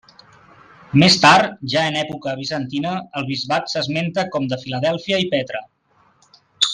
Més tard, ja en època bizantina, el bisbat s'esmenta com de Filadèlfia i Petra.